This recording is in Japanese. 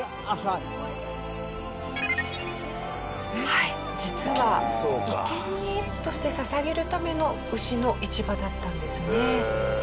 はい実は生贄として捧げるための牛の市場だったんですね。